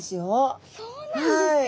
はい。